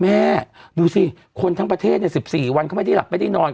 แม่ดูสิคนทั้งประเทศ๑๔วันเขาไม่ได้หลับไม่ได้นอน